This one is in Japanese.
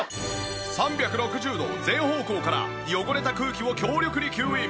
３６０度全方向から汚れた空気を強力に吸引。